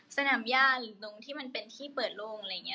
สนามย่าหรือตรงที่มันเป็นที่เปิดโล่งอะไรอย่างนี้